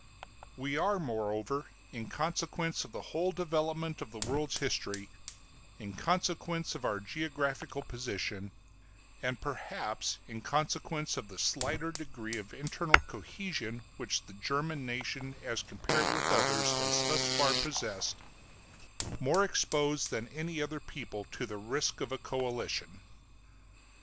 We are, moreover, in consequence of the whole development of the world's history, in consequence of our geographical position, and perhaps in consequence of the slighter degree of internal cohesion which the German nation as compared with others has thus far possessed, more exposed than any other people to the risk of a coalition.